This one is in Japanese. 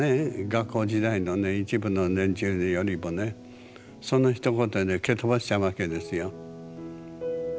学校時代のね一部の連中よりもねそのひと言で蹴飛ばしちゃうわけですよ。